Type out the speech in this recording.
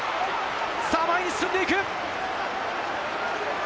さぁ、前に進んでいく！